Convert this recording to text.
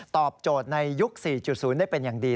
ตอบโจทย์ในยุค๔๐ได้เป็นอย่างดี